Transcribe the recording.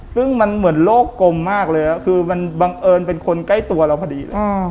ซึ่งมันเหมือนโลกกลมมากเลยคือมันบังเอิญเป็นคนใกล้ตัวเราพอดีเลย